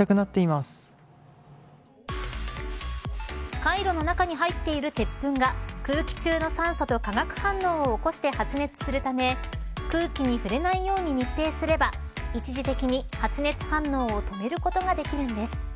カイロの中に入っている鉄粉が空気中の酸素と化学反応を起こして発熱するため空気に触れないように密閉すれば一時的に発熱反応を止めることができるんです。